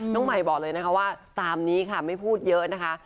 น้องใหม่บอกเลยนะคะว่าตามนี้ค่ะไม่พูดเยอะนะคะ